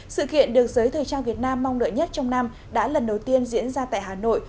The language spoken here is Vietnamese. sự kiện được giới thời trang việt nam mong đợi nhất trong năm đã lần đầu tiên diễn ra tại hà nội